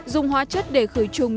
dùng hóa chất để khởi trùng